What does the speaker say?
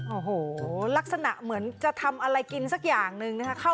โอ้โหลักษณะเหมือนจะทำอะไรกินสักอย่างหนึ่งนะคะ